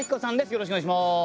よろしくお願いします。